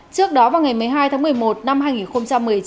trước đó vào ngày một mươi hai tháng một mươi một năm hai nghìn một mươi chín